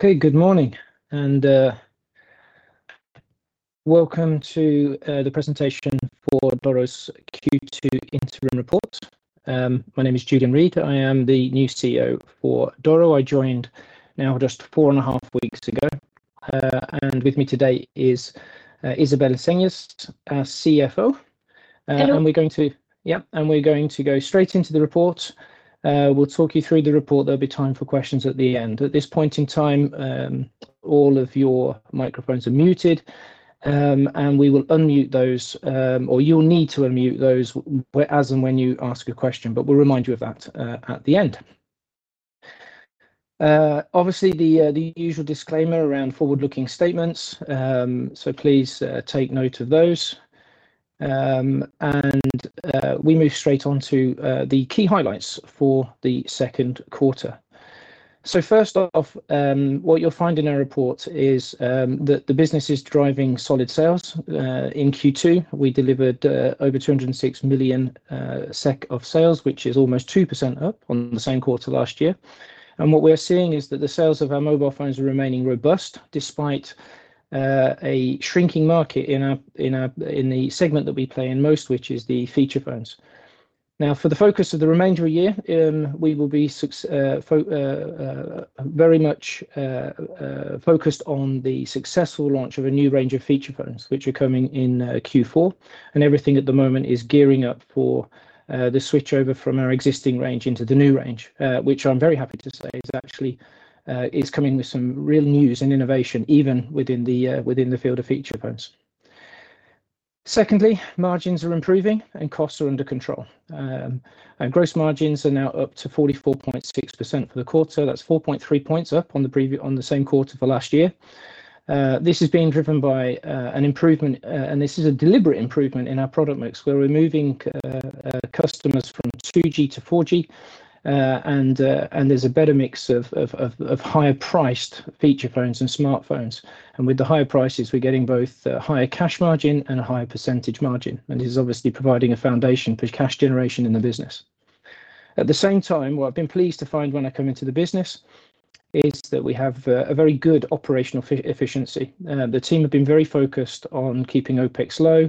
Okay, good morning, and welcome to the presentation for Doro's Q2 interim report. My name is Julian Read. I am the new CEO for Doro. I joined now just four and a half weeks ago. And with me today is Isabelle Sengès, our CFO. Hello. And we're going to go straight into the report. We'll talk you through the report. There'll be time for questions at the end. At this point in time, all of your microphones are muted, and we will unmute those, or you'll need to unmute those as and when you ask a question, but we'll remind you of that at the end. Obviously, the usual disclaimer around forward-looking statements, so please take note of those. We move straight on to the key highlights for the second quarter. So first off, what you'll find in our report is that the business is driving solid sales. In Q2, we delivered over 206 million SEK of sales, which is almost 2% up on the same quarter last year. What we're seeing is that the sales of our mobile phones are remaining robust, despite a shrinking market in the segment that we play in most, which is the feature phones. Now, for the focus of the remainder of the year, we will be very much focused on the successful launch of a new range of feature phones, which are coming in Q4, and everything at the moment is gearing up for the switchover from our existing range into the new range. Which I'm very happy to say is actually coming with some real news and innovation, even within the field of feature phones. Secondly, margins are improving and costs are under control. Gross margins are now up to 44.6% for the quarter. That's 4.3 points up on the same quarter for last year. This is being driven by an improvement, and this is a deliberate improvement in our product mix, where we're moving customers from 2G to 4G. And there's a better mix of higher priced feature phones and smartphones. And with the higher prices, we're getting both a higher cash margin and a higher percentage margin, and this is obviously providing a foundation for cash generation in the business. At the same time, what I've been pleased to find when I come into the business, is that we have a very good operational efficiency. The team have been very focused on keeping OpEx low.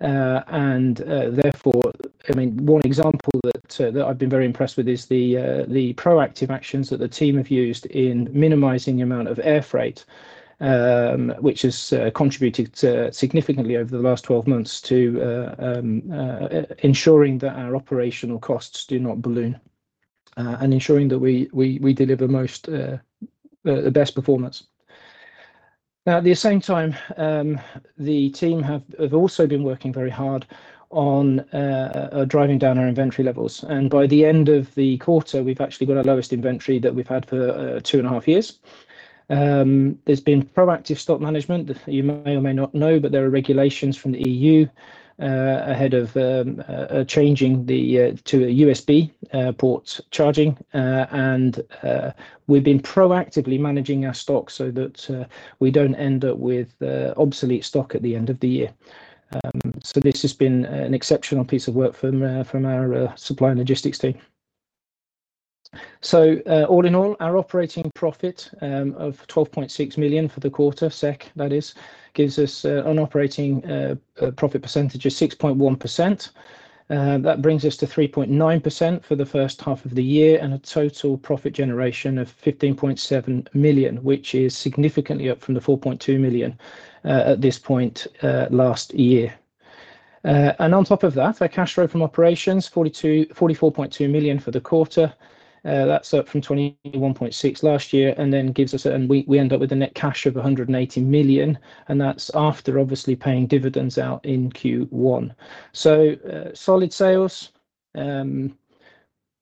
And therefore, I mean, one example that I've been very impressed with is the proactive actions that the team have used in minimizing the amount of air freight. Which has contributed significantly over the last 12 months to ensuring that our operational costs do not balloon, and ensuring that we deliver the best performance. Now, at the same time, the team have also been working very hard on driving down our inventory levels, and by the end of the quarter, we've actually got our lowest inventory that we've had for two and a half years. There's been proactive stock management. You may or may not know, but there are regulations from the EU ahead of changing to a USB port charging. And we've been proactively managing our stock so that we don't end up with obsolete stock at the end of the year. So this has been an exceptional piece of work from our supply and logistics team. So, all in all, our operating profit of 12.6 million for the quarter, SEK, that is, gives us an operating profit percentage of 6.1%. That brings us to 3.9% for the first half of the year, and a total profit generation of 15.7 million, which is significantly up from 4.2 million at this point last year. And on top of that, our cash flow from operations, 44.2 million for the quarter. That's up from 21.6 million last year, and then gives us and we end up with a net cash of 180 million, and that's after obviously paying dividends out in Q1. So, solid sales,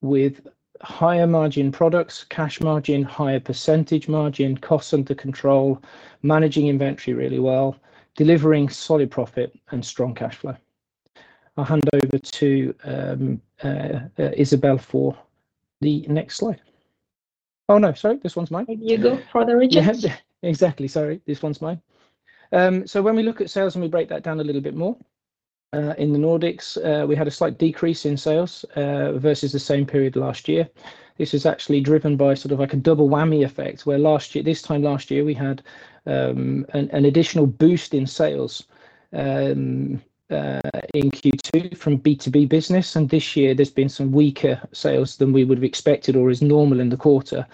with higher margin products, cash margin, higher percentage margin, costs under control, managing inventory really well, delivering solid profit and strong cash flow. I'll hand over to Isabelle for the next slide. Oh, no, sorry, this one's mine. You go for the regions. Yeah, exactly. Sorry, this one's mine. So when we look at sales, and we break that down a little bit more, in the Nordics, we had a slight decrease in sales, versus the same period last year. This is actually driven by sort of like a double whammy effect, where last year, this time last year, we had an additional boost in sales, in Q2 from B2B business, and this year there's been some weaker sales than we would have expected or is normal in the quarter,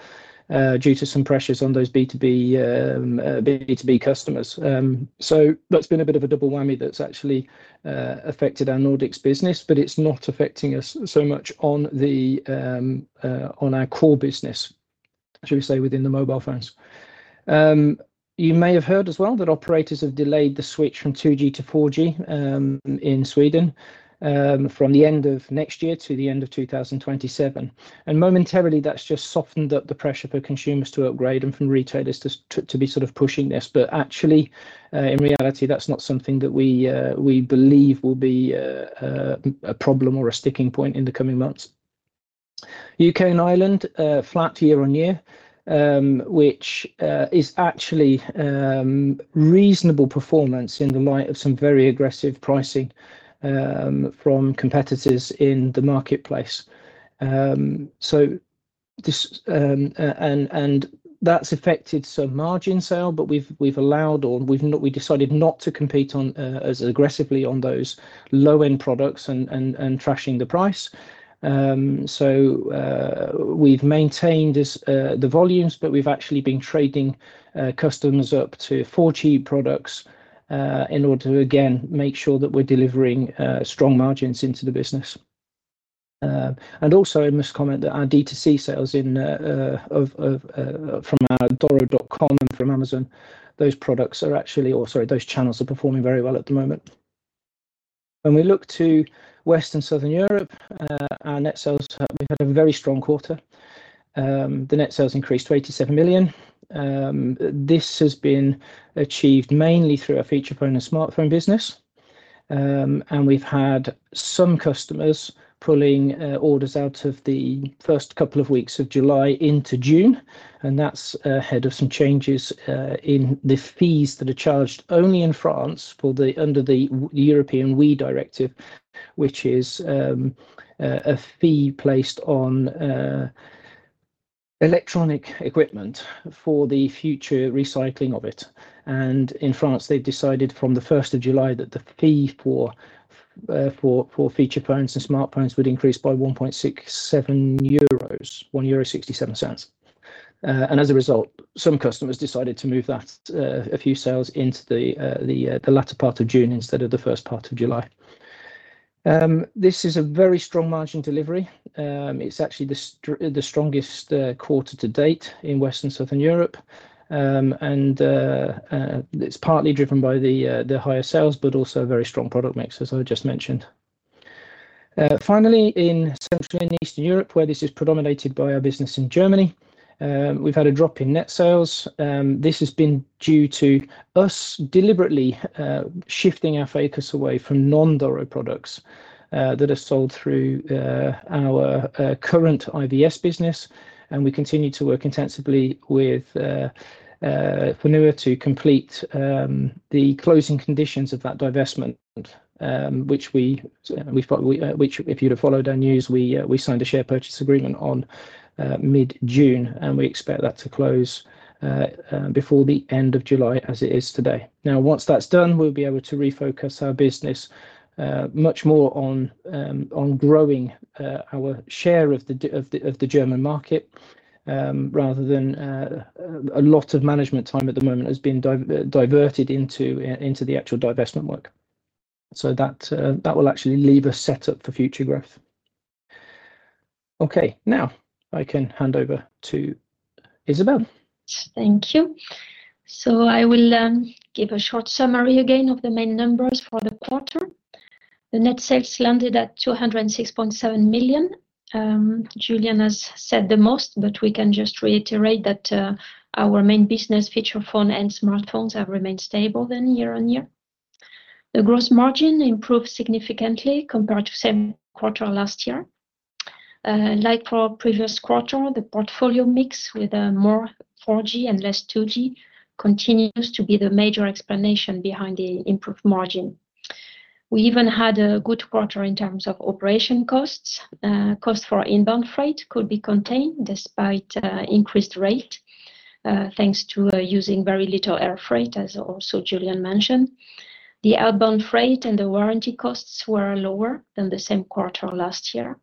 due to some pressures on those B2B customers. So that's been a bit of a double whammy that's actually affected our Nordics business, but it's not affecting us so much on our core business, should we say, within the mobile phones. You may have heard as well that operators have delayed the switch from 2G to 4G in Sweden from the end of next year to the end of 2027. Momentarily, that's just softened up the pressure for consumers to upgrade and from retailers to be sort of pushing this. But actually, in reality, that's not something that we believe will be a problem or a sticking point in the coming months. UK and Ireland flat year-on-year, which is actually reasonable performance in the light of some very aggressive pricing from competitors in the marketplace. That's affected some margin sale, but we've allowed or we've not, we decided not to compete on as aggressively on those low-end products and trashing the price. So, we've maintained this, the volumes, but we've actually been trading customers up to 4G products, in order to, again, make sure that we're delivering strong margins into the business. And also I must comment that our D2C sales from our doro.com and from Amazon, those products are actually... Or sorry, those channels are performing very well at the moment. When we look to Western and Southern Europe, our net sales, we had a very strong quarter. The net sales increased to 87 million. This has been achieved mainly through our feature phone and smartphone business. And we've had some customers pulling orders out of the first couple of weeks of July into June, and that's ahead of some changes in the fees that are charged only in France under the European WEEE Directive, which is a fee placed on electronic equipment for the future recycling of it. And in France, they've decided from the first of July that the fee for feature phones and smartphones would increase by 1.67 euros, one euro sixty-seven cents. And as a result, some customers decided to move a few sales into the latter part of June instead of the first part of July. This is a very strong margin delivery. It's actually the strongest quarter to date in Western and Southern Europe. And, it's partly driven by the higher sales, but also very strong product mix, as I just mentioned. Finally, in Central and Eastern Europe, where this is dominated by our business in Germany, we've had a drop in net sales. This has been due to us deliberately shifting our focus away from non-Doro products that are sold through our current IVS business, and we continue to work intensively with Fónua to complete the closing conditions of that divestment, which if you'd have followed our news, we signed a share purchase agreement on mid-June, and we expect that to close before the end of July as it is today. Now, once that's done, we'll be able to refocus our business much more on growing our share of the German market, rather than... A lot of management time at the moment has been diverted into the actual divestment work. So that will actually leave us set up for future growth. Okay, now I can hand over to Isabelle. Thank you. I will give a short summary again of the main numbers for the quarter. The net sales landed at 206.7 million. Julian has said the most, but we can just reiterate that our main business, feature phone and smartphones, have remained stable year-on-year. The gross margin improved significantly compared to same quarter last year. Like for our previous quarter, the portfolio mix with more 4G and less 2G continues to be the major explanation behind the improved margin. We even had a good quarter in terms of operation costs. Cost for inbound freight could be contained despite increased rate, thanks to using very little air freight, as also Julian mentioned. The outbound freight and the warranty costs were lower than the same quarter last year,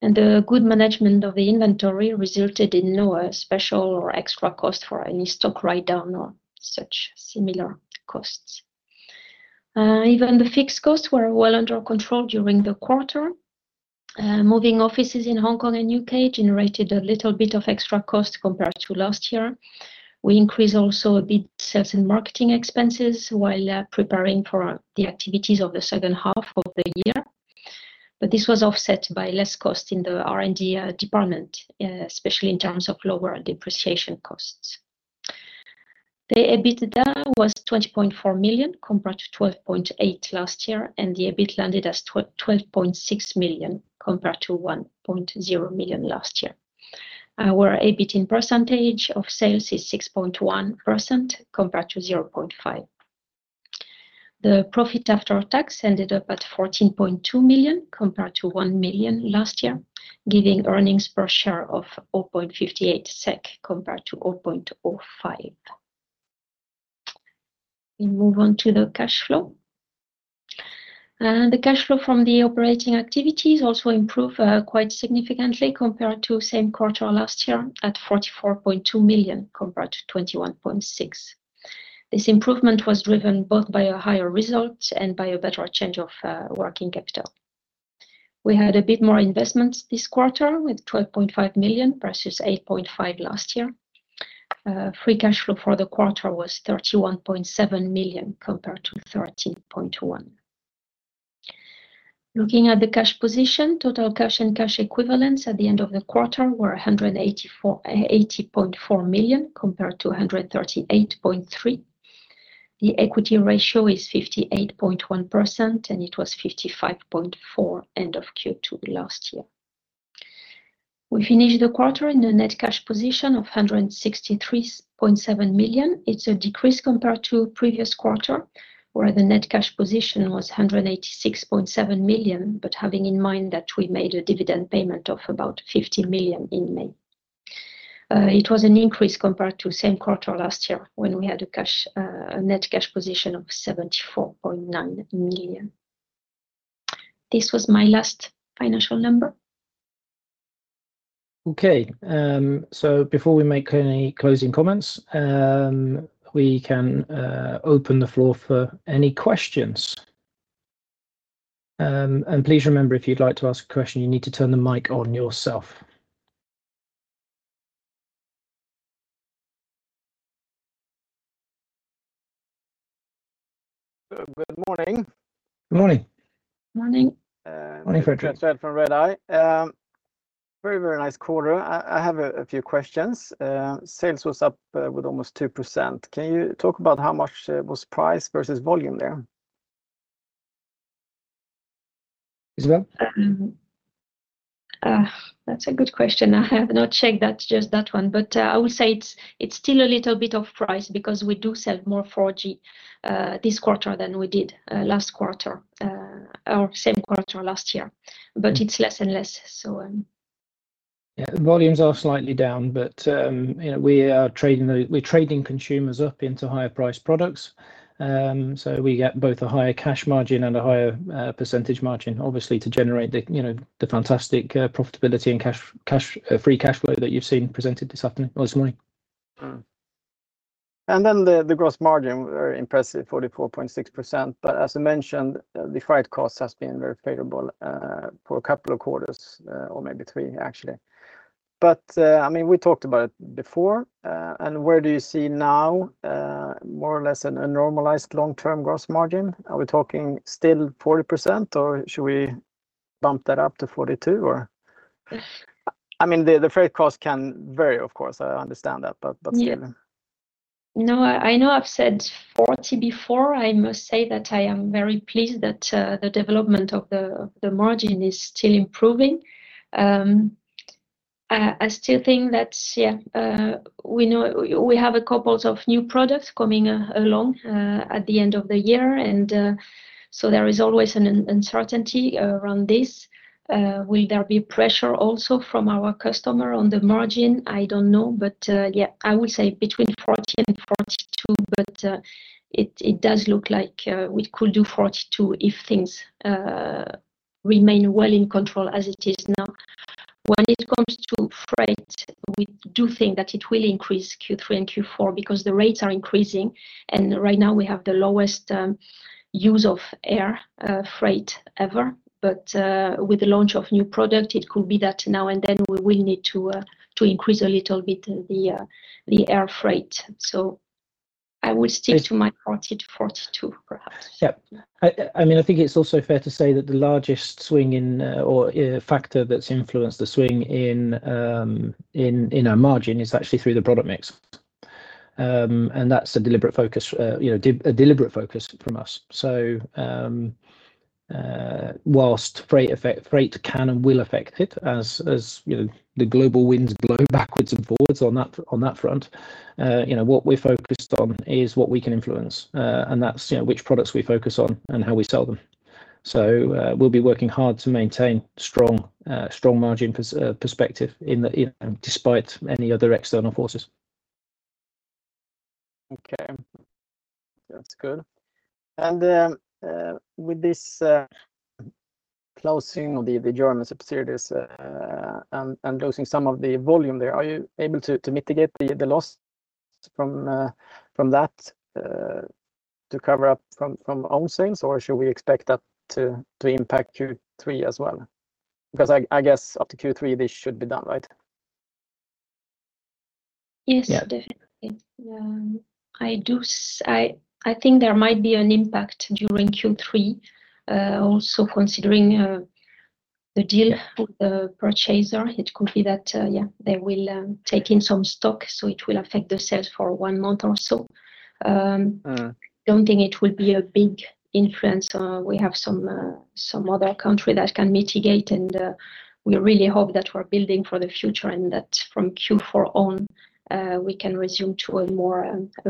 and the good management of the inventory resulted in no special or extra cost for any stock write-down or such similar costs. Even the fixed costs were well under control during the quarter. Moving offices in Hong Kong and U.K. generated a little bit of extra cost compared to last year. We increased also a bit sales and marketing expenses while preparing for the activities of the second half of the year, but this was offset by less cost in the R&D department, especially in terms of lower depreciation costs. The EBITDA was 20.4 million, compared to 12.8 million last year, and the EBIT landed as 12.6 million, compared to 1.0 million last year. Our EBIT in percentage of sales is 6.1%, compared to 0.5%. The profit after tax ended up at 14.2 million, compared to 1 million last year, giving earnings per share of 0.58 SEK, compared to 0.05 SEK. We move on to the cash flow. The cash flow from the operating activities also improved quite significantly compared to same quarter last year, at 44.2 million, compared to 21.6. This improvement was driven both by a higher result and by a better change of working capital. We had a bit more investments this quarter with 12.5 million versus 8.5 million last year. Free cash flow for the quarter was 31.7 million compared to 13.1. Looking at the cash position, total cash and cash equivalents at the end of the quarter were 184.8 million, compared to 138.3 million. The equity ratio is 58.1%, and it was 55.4% end of Q2 last year. We finished the quarter in a net cash position of 163.7 million. It's a decrease compared to previous quarter, where the net cash position was 186.7 million, but having in mind that we made a dividend payment of about 50 million in May. It was an increase compared to same quarter last year, when we had a cash, a net cash position of 74.9 million. This was my last financial number. Okay, so before we make any closing comments, we can open the floor for any questions. And please remember, if you'd like to ask a question, you need to turn the mic on yourself. Good morning. Good morning. Morning. Morning, Frederick. Fredrik from Redeye. Very, very nice quarter. I have a few questions. Sales was up with almost 2%. Can you talk about how much was price versus volume there? Isabel? That's a good question. I have not checked that, just that one, but I would say it's still a little bit of price because we do sell more 4G this quarter than we did last quarter or same quarter last year. Mm. But it's less and less, so... Yeah, the volumes are slightly down, but you know, we're trading consumers up into higher priced products. So we get both a higher cash margin and a higher percentage margin, obviously, to generate, you know, the fantastic profitability and cash free cash flow that you've seen presented this afternoon or this morning. And then the gross margin, very impressive, 44.6%, but as I mentioned, the freight cost has been very favorable for a couple of quarters, or maybe three, actually. But I mean, we talked about it before, and where do you see now, more or less a normalized long-term gross margin? Are we talking still 40%, or should we bump that up to 42% or? I mean, the freight cost can vary, of course. I understand that, but still. Yeah. No, I know I've said 40% before. I must say that I am very pleased that the development of the margin is still improving. I still think that, yeah, we know we have a couple of new products coming along at the end of the year, and so there is always an uncertainty around this. Will there be pressure also from our customer on the margin? I don't know. But yeah, I would say between 40% and 42%, but it does look like we could do 42% if things remain well in control as it is now. When it comes to freight, we do think that it will increase Q3 and Q4 because the rates are increasing, and right now we have the lowest use of air freight ever. With the launch of new product, it could be that now and then we will need to increase a little bit the air freight. So I would stick- It-... to my 40-42, perhaps. Yeah. I mean, I think it's also fair to say that the largest swing or factor that's influenced the swing in our margin is actually through the product mix. And that's a deliberate focus, you know, a deliberate focus from us. So, while freight can and will affect it, as you know, the global winds blow backwards and forwards on that front, you know, what we're focused on is what we can influence. And that's, you know, which products we focus on and how we sell them. So, we'll be working hard to maintain strong margin perspective in the, you know, despite any other external forces. Okay, that's good. And with this closing of the German subsidiaries and losing some of the volume there, are you able to mitigate the loss from that to cover up from own sales? Or should we expect that to impact Q3 as well? Because I guess up to Q3, this should be done, right? Yes- Yeah... definitely. I think there might be an impact during Q3, also considering the deal with the purchaser. It could be that they will take in some stock, so it will affect the sales for one month or so. Uh. Don't think it will be a big influence. We have some other country that can mitigate, and we really hope that we're building for the future and that from Q4 on, we can resume to a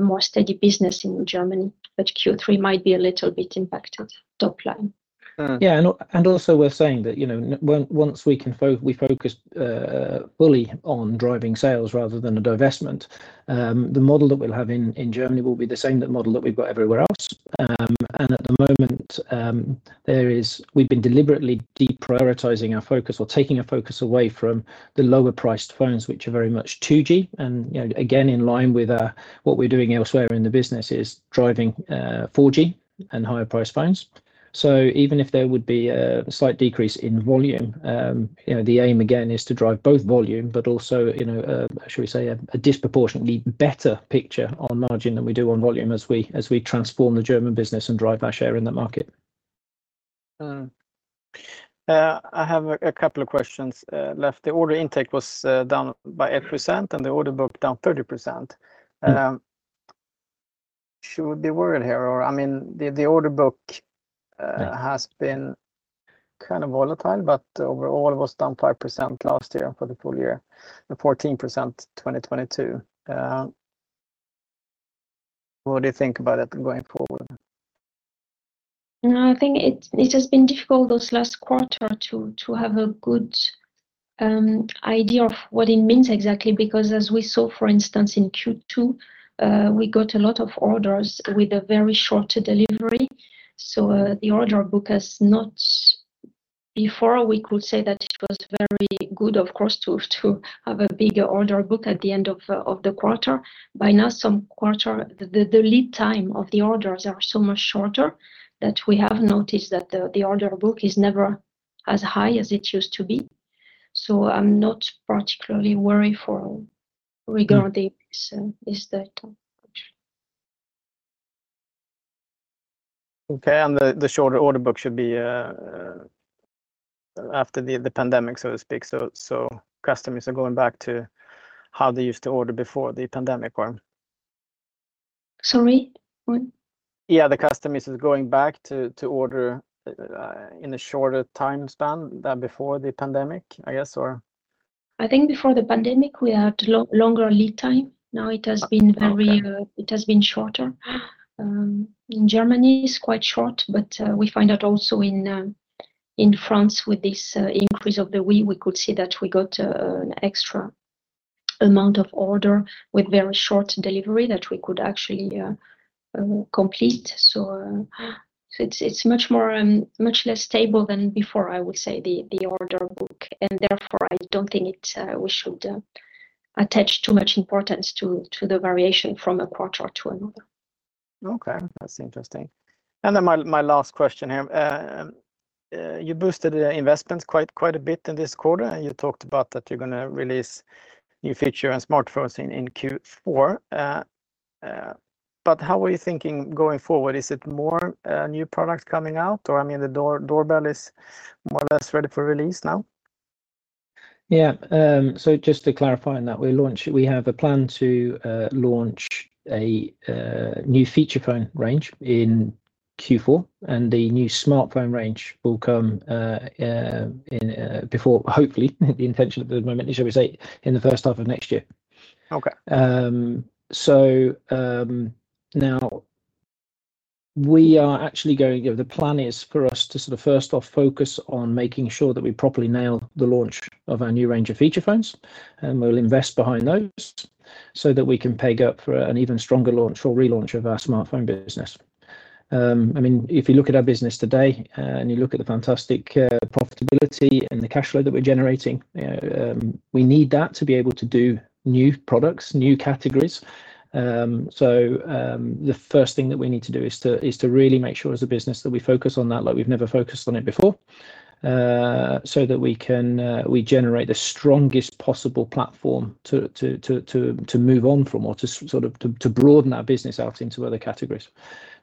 more steady business in Germany, but Q3 might be a little bit impacted top line. Mm. Yeah, and also we're saying that, you know, once we can focus fully on driving sales rather than a divestment, the model that we'll have in, in Germany will be the same model that we've got everywhere else. And at the moment, there is... We've been deliberately deprioritizing our focus or taking a focus away from the lower priced phones, which are very much 2G, and, you know, again, in line with what we're doing elsewhere in the business is driving 4G and higher priced phones. So even if there would be a slight decrease in volume, you know, the aim again is to drive both volume but also, you know, should we say, a disproportionately better picture on margin than we do on volume as we transform the German business and drive our share in the market. I have a couple of questions left. The order intake was down by 8%, and the order book down 30%. Mm. Should we be worried here, or... I mean, the order book- Mm... has been kind of volatile, but overall it was down 5% last year for the full year, and 14% in 2022. What do you think about it going forward? No, I think it has been difficult this last quarter to have a good idea of what it means exactly. Because as we saw, for instance, in Q2, we got a lot of orders with a very short delivery. So, the order book has not before we could say that it was very good, of course, to have a bigger order book at the end of the quarter. By now, some quarter, the lead time of the orders are so much shorter that we have noticed that the order book is never as high as it used to be. So I'm not particularly worried for regarding this data. Okay, and the shorter order book should be after the pandemic, so to speak. So customers are going back to how they used to order before the pandemic, or? Sorry, what? Yeah, the customers is going back to order in a shorter time span than before the pandemic, I guess, or? I think before the pandemic, we had longer lead time. Now it has been very- Okay... it has been shorter. In Germany it's quite short, but, we find out also in, in France with this, increase of the WEEE, we could see that we got, an extra amount of order with very short delivery that we could actually, complete. So, so it's, it's much more, much less stable than before, I would say, the, the order book, and therefore, I don't think it, we should, attach too much importance to, to the variation from a quarter to another. Okay, that's interesting. Then my last question here. You boosted the investments quite a bit in this quarter, and you talked about that you're gonna release new feature phones and smartphones in Q4. But how are you thinking going forward? Is it more new products coming out, or I mean, the Doro doorbell is more or less ready for release now? Yeah. So just to clarify on that, we have a plan to launch a new feature phone range in Q4, and the new smartphone range will come before, hopefully, the intention at the moment, shall we say, in the first half of next year. Okay. So, now we are actually going... The plan is for us to sort of, first off, focus on making sure that we properly nail the launch of our new range of feature phones, and we'll invest behind those so that we can peg up for an even stronger launch or relaunch of our smartphone business. I mean, if you look at our business today, and you look at the fantastic profitability and the cash flow that we're generating, we need that to be able to do new products, new categories. So, the first thing that we need to do is to really make sure as a business that we focus on that, like we've never focused on it before, so that we can generate the strongest possible platform to move on from or to sort of broaden our business out into other categories.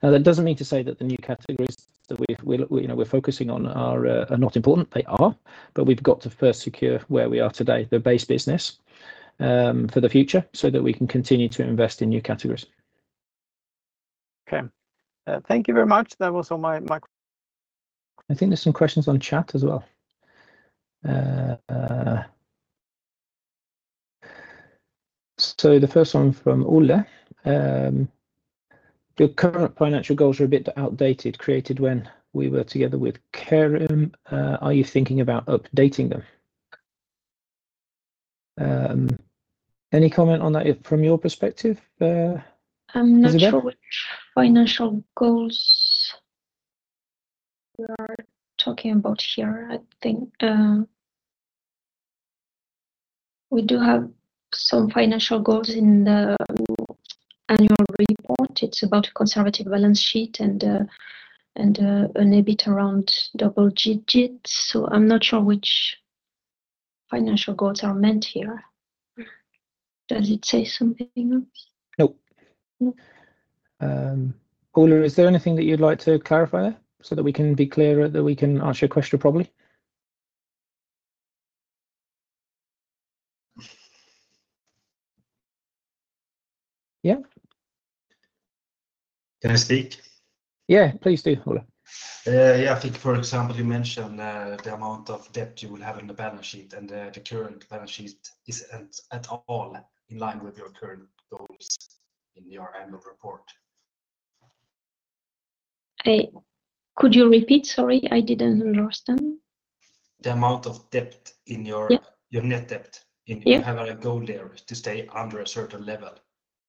Now, that doesn't mean to say that the new categories that we've you know, we're focusing on are not important. They are, but we've got to first secure where we are today, the base business, for the future, so that we can continue to invest in new categories. Okay. Thank you very much. That was all my- I think there's some questions on chat as well. So the first one from Ole: "Your current financial goals are a bit outdated, created when we were together with Careium. Are you thinking about updating them?" Any comment on that from your perspective, Isabelle? I'm not sure which financial goals we are talking about here. I think, we do have some financial goals in the annual report. It's about a conservative balance sheet and an EBIT around double digits, so I'm not sure which financial goals are meant here. Does it say something else? Nope. Nope. Ole, is there anything that you'd like to clarify so that we can be clear, that we can ask your question properly? Yeah. Can I speak? Yeah, please do, Ole. Yeah, I think, for example, you mentioned the amount of debt you will have on the balance sheet, and the current balance sheet isn't at all in line with your current goals in your annual report. Could you repeat? Sorry, I didn't understand. The amount of debt in your- Yeah... your net debt in- Yeah... you have a goal there to stay under a certain level.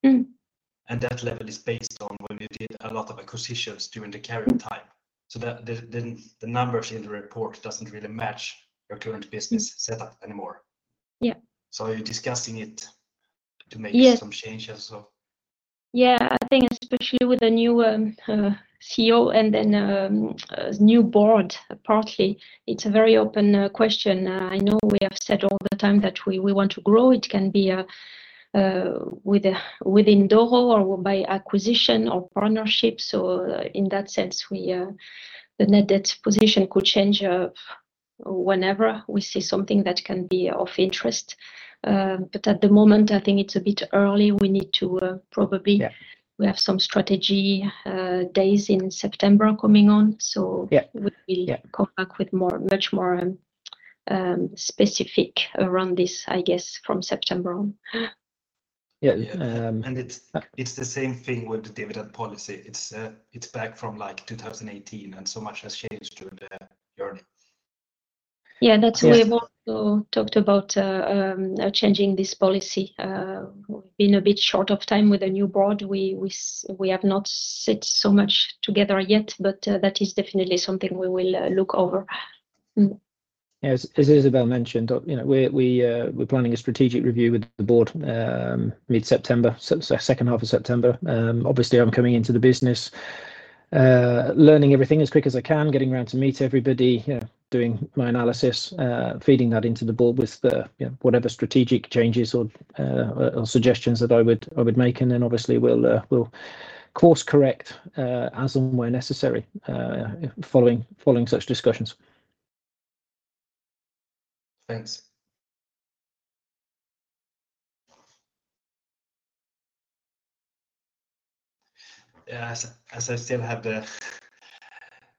Mm. That level is based on when you did a lot of acquisitions during the Careium time, so that the numbers in the report doesn't really match your current business- Mm... setup anymore. Yeah. Are you discussing it to make- Yeah... some changes, so? Yeah, I think especially with the new CEO and then new board, partly, it's a very open question. I know we have said all the time that we want to grow. It can be with within Doro or by acquisition or partnerships, or in that sense, we the net debt position could change whenever we see something that can be of interest. But at the moment, I think it's a bit early. We need to probably- Yeah... we have some strategy days in September coming on, so- Yeah, yeah... we will come back with more, much more, specific around this, I guess, from September on. Yeah, yeah, It's the same thing with the dividend policy. It's back from, like, 2018, and so much has changed during the year. Yeah, that's- Yes... we also talked about changing this policy. We've been a bit short of time with the new board. We have not sat so much together yet, but that is definitely something we will look over. As Isabelle mentioned, you know, we're planning a strategic review with the board mid-September, so second half of September. Obviously I'm coming into the business, learning everything as quick as I can, getting around to meet everybody, you know, doing my analysis, feeding that into the board with the, you know, whatever strategic changes or, or suggestions that I would make. And then obviously we'll course-correct as and where necessary, following such discussions. Thanks. Yeah, as I still have the...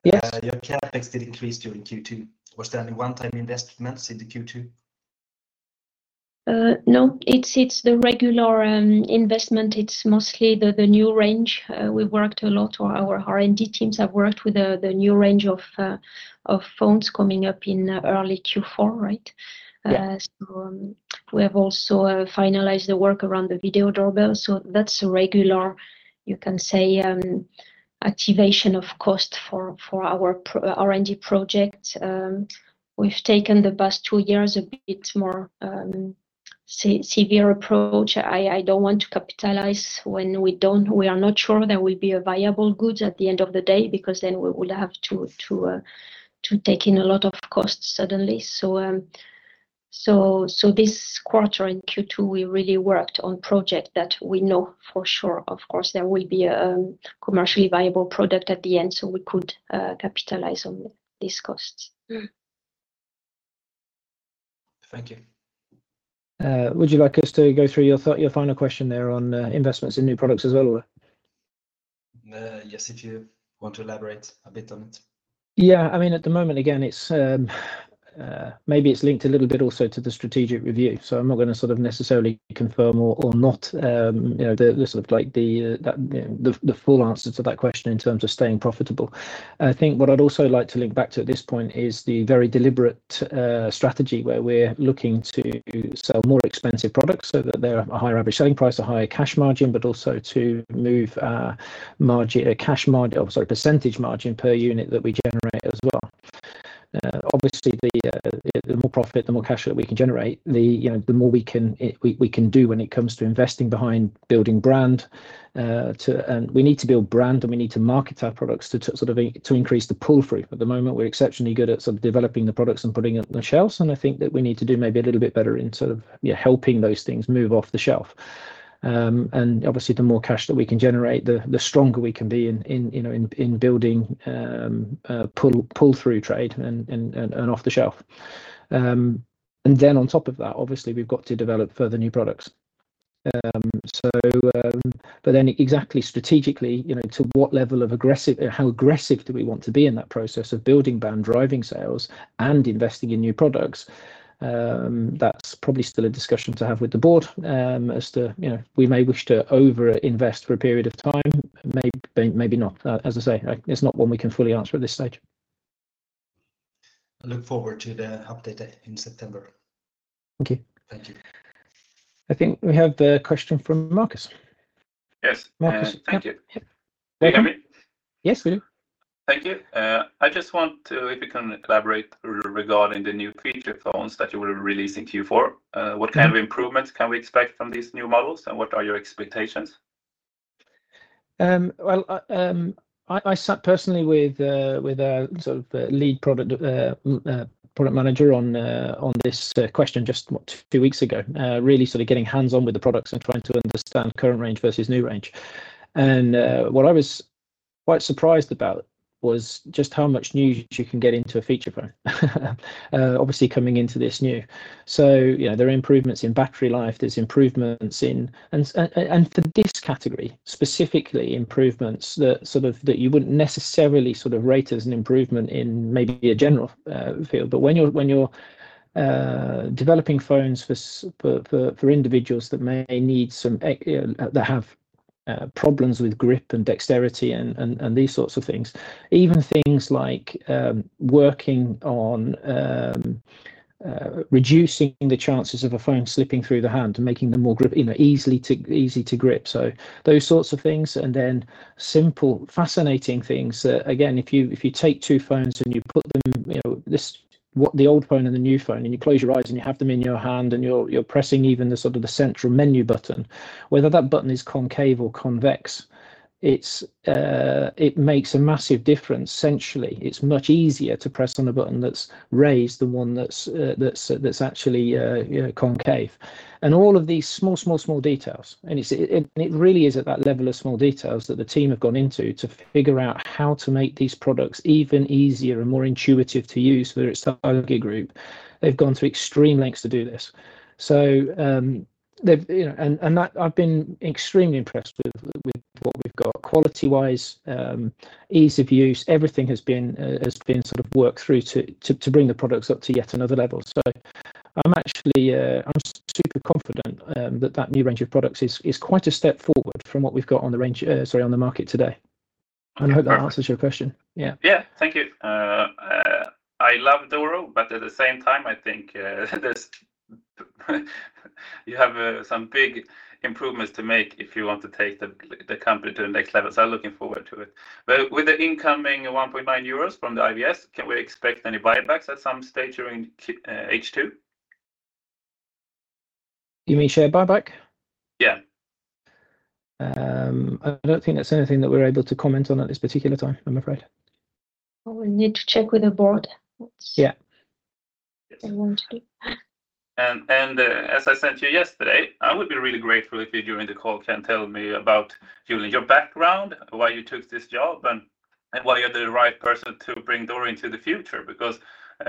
Yes. Your CapEx did increase during Q2. Was there any one-time investments in the Q2? No, it's the regular investment. It's mostly the new range. We worked a lot, or our R&D teams have worked with the new range of phones coming up in early Q4, right? Yeah. So, we have also finalized the work around the video doorbell, so that's a regular, you can say, activation of cost for our R&D project. We've taken the past two years a bit more severe approach. I don't want to capitalize when we are not sure there will be a viable good at the end of the day, because then we will have to take in a lot of costs suddenly. So, this quarter in Q2, we really worked on project that we know for sure, of course, there will be a commercially viable product at the end, so we could capitalize on these costs. Thank you. Would you like us to go through your final question there on investments in new products as well? Yes, if you want to elaborate a bit on it. Yeah. I mean, at the moment, again, it's maybe it's linked a little bit also to the strategic review, so I'm not gonna sort of necessarily confirm or not, you know, the sort of like the full answer to that question in terms of staying profitable. I think what I'd also like to link back to at this point is the very deliberate strategy where we're looking to sell more expensive products so that they're a higher average selling price, a higher cash margin, but also to move margin, cash margin, or sorry, percentage margin per unit that we generate as well. Obviously, the more profit, the more cash that we can generate, the, you know, the more we can, we can do when it comes to investing behind building brand. And we need to build brand, and we need to market our products to sort of to increase the pull through. At the moment, we're exceptionally good at sort of developing the products and putting it on the shelves, and I think that we need to do maybe a little bit better in sort of, yeah, helping those things move off the shelf. And obviously, the more cash that we can generate, the stronger we can be in, you know, in building pull through trade and off the shelf. And then on top of that, obviously, we've got to develop further new products. But then exactly strategically, you know, to what level of aggressive how aggressive do we want to be in that process of building brand, driving sales, and investing in new products? That's probably still a discussion to have with the board. As to, you know, we may wish to overinvest for a period of time, maybe not. As I say, it's not one we can fully answer at this stage. I look forward to the update in September. Thank you. Thank you. I think we have the question from Marcus. Yes. Marcus, yeah. Thank you. Yeah. Can you hear me? Yes, we do. Thank you. I just want to... if you can elaborate regarding the new feature phones that you will be releasing Q4? Yeah. What kind of improvements can we expect from these new models, and what are your expectations? Well, I sat personally with a sort of a lead product product manager on this question just a few weeks ago, really sort of getting hands-on with the products and trying to understand current range versus new range. And what I was quite surprised about was just how much new you can get into a feature phone. Obviously coming into this new. So, you know, there are improvements in battery life, there's improvements in... And for this category, specifically, improvements that sort of that you wouldn't necessarily sort of rate as an improvement in maybe a general field. But when you're developing phones for individuals that may need some... that have problems with grip and dexterity and these sorts of things, even things like working on reducing the chances of a phone slipping through the hand and making them more grip, you know, easy to grip, so those sorts of things. And then simple, fascinating things. Again, if you take two phones and you put them, you know, this... What the old phone and the new phone, and you close your eyes, and you have them in your hand, and you're pressing even the sort of the central menu button, whether that button is concave or convex, it makes a massive difference. Sensually, it's much easier to press on a button that's raised, the one that's actually, you know, concave. All of these small, small, small details, and it's, it, it really is at that level of small details that the team have gone into to figure out how to make these products even easier and more intuitive to use, whether it's target group. They've gone to extreme lengths to do this. So they've, you know, and, and I, I've been extremely impressed with, with, with what we've got. Quality-wise, ease of use, everything has been, has been sort of worked through to, to, to bring the products up to yet another level. So I'm actually, I'm super confident, that that new range of products is, is quite a step forward from what we've got on the range, sorry, on the market today. I hope that answers your question. Yeah. Yeah. Thank you. I love Doro, but at the same time, I think you have some big improvements to make if you want to take the company to the next level, so looking forward to it. But with the incoming 1.9 euros from the IVS, can we expect any buybacks at some stage during H2? You mean share buyback? Yeah. I don't think that's anything that we're able to comment on at this particular time, I'm afraid. We'll need to check with the board. Yeah. If they want to. As I said to you yesterday, I would be really grateful if you, during the call, can tell me about your background, why you took this job, and why you're the right person to bring Doro into the future. Because,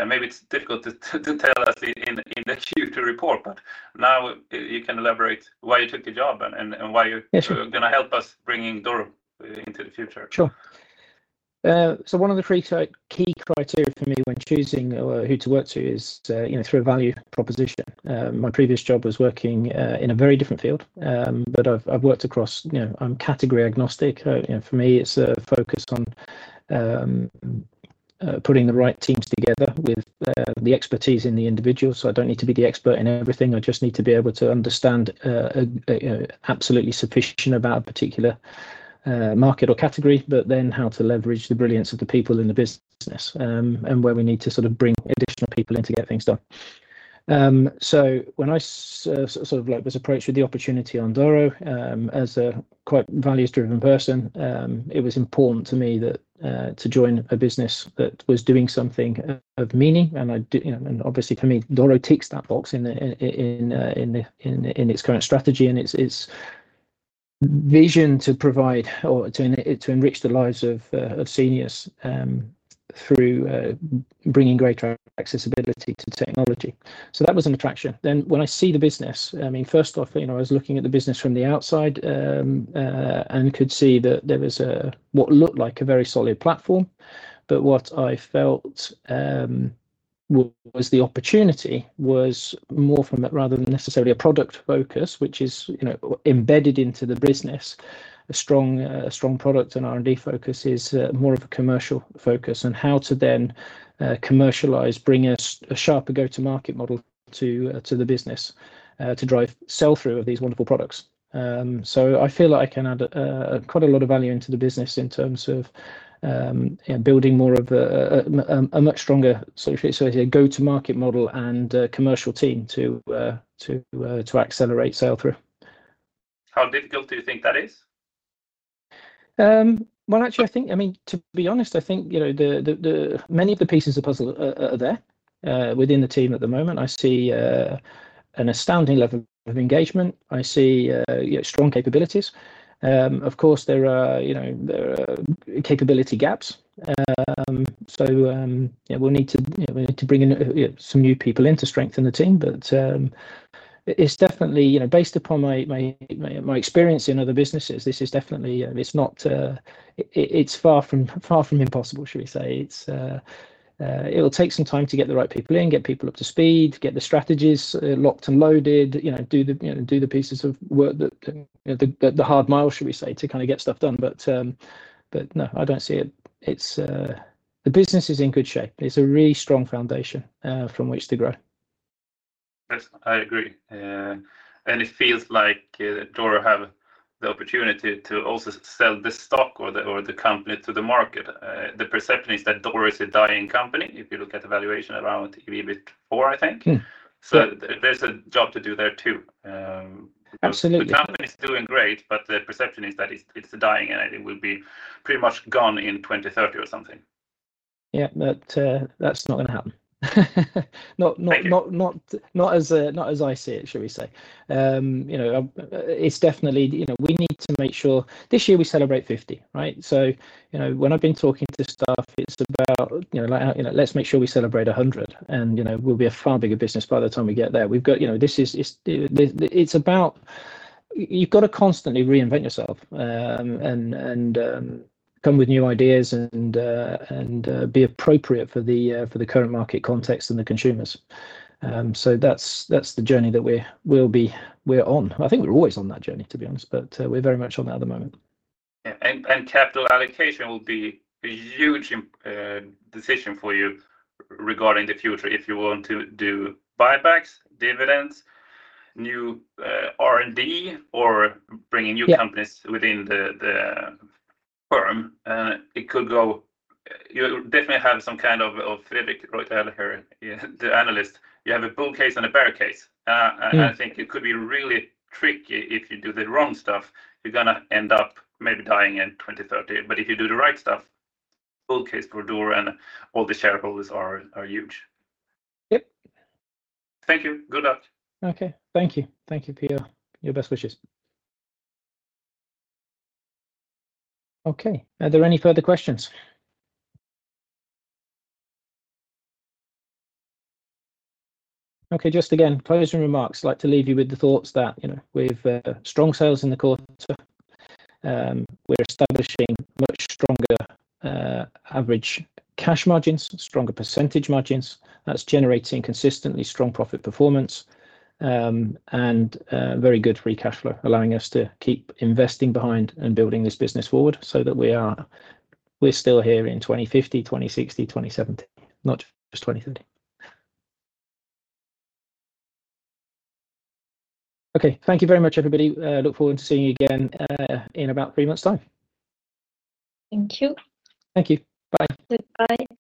maybe it's difficult to tell us in the Q2 report, but now, you can elaborate why you took the job and why you- Yes... you're gonna help us bringing Doro into the future. Sure. So one of the three key criteria for me when choosing who to work to is, you know, through a value proposition. My previous job was working in a very different field. But I've worked across... You know, I'm category agnostic. You know, for me, it's focused on putting the right teams together with the expertise in the individual, so I don't need to be the expert in everything. I just need to be able to understand absolutely sufficient about a particular market or category, but then how to leverage the brilliance of the people in the business, and where we need to sort of bring additional people in to get things done. So when I was approached with the opportunity on Doro, as a quite values-driven person, it was important to me that to join a business that was doing something of meaning. You know, and obviously, for me, Doro ticks that box in its current strategy and its vision to provide to enrich the lives of seniors through bringing greater accessibility to technology. So that was an attraction. Then when I see the business, I mean, first off, you know, I was looking at the business from the outside and could see that there was what looked like a very solid platform. But what I felt was the opportunity was more from that, rather than necessarily a product focus, which is, you know, embedded into the business, a strong product and R&D focus is more of a commercial focus and how to then commercialize, bring a sharper go-to-market model to the business to drive sell-through of these wonderful products. So I feel like I can add quite a lot of value into the business in terms of, you know, building more of a much stronger, sort of, go-to-market model and a commercial team to accelerate sell-through. How difficult do you think that is? Well, actually, I think, I mean, to be honest, I think, you know, many of the pieces of puzzle are there. Within the team at the moment, I see an astounding level of engagement. I see, you know, strong capabilities. Of course, there are, you know, there are capability gaps. So, yeah, we'll need to, you know, we'll need to bring in some new people in to strengthen the team, but it's definitely... You know, based upon my experience in other businesses, this is definitely- it's not... It's far from impossible, should we say. It's, it'll take some time to get the right people in, get people up to speed, get the strategies locked and loaded, you know, do the pieces of work that, you know, the hard mile, should we say, to kind of get stuff done. But no, I don't see it... It's the business is in good shape. It's a really strong foundation from which to grow. Yes, I agree. And it feels like, Doro have the opportunity to also sell this stock or the, or the company to the market. The perception is that Doro is a dying company if you look at the valuation around EBITDA 4, I think. Mm. So there's a job to do there, too. Absolutely. The company is doing great, but the perception is that it's, it's dying, and it will be pretty much gone in 2030 or something. Yeah, but that's not gonna happen. Thank you. Not as I see it, should we say. You know, it's definitely, you know, we need to make sure... This year we celebrate 50, right? So, you know, when I've been talking to staff, it's about, you know, like, you know, "Let's make sure we celebrate 100," and, you know, we'll be a far bigger business by the time we get there. We've got, you know, this is, it's about... You've got to constantly reinvent yourself, and come with new ideas and be appropriate for the current market context and the consumers. So that's the journey that we're on. I think we're always on that journey, to be honest, but we're very much on that at the moment. Yeah, and capital allocation will be a huge decision for you regarding the future. If you want to do buybacks, dividends, new R&D- Yeah... or bring in new companies within the firm, it could go. You'll definitely have some kind of Fredrik from Redeye here, the analyst. You have a bull case and a bear case. Mm... and I think it could be really tricky if you do the wrong stuff, you're gonna end up maybe dying in 2030. But if you do the right stuff, bull case for Doro and all the shareholders are, are huge. Yep. Thank you. Good luck. Okay. Thank you. Thank you, Peter. Your best wishes. Okay, are there any further questions? Okay, just again, closing remarks. I'd like to leave you with the thoughts that, you know, we've strong sales in the quarter. We're establishing much stronger average gross margins, stronger percentage margins, that's generating consistently strong profit performance, and very good free cash flow, allowing us to keep investing behind and building this business forward so that we are—we're still here in 2050, 2060, 2070, not just 2030. Okay, thank you very much, everybody. Look forward to seeing you again, in about three months' time. Thank you. Thank you. Bye. Goodbye.